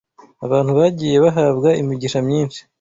Abantu bagiye bahabwa imigisha myinshi